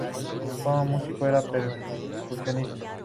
Como músico era percusionista.